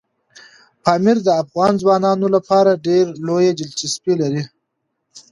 پامیر د افغان ځوانانو لپاره ډېره لویه دلچسپي لري.